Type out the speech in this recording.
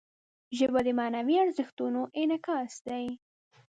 ژبه د معنوي ارزښتونو انعکاس دی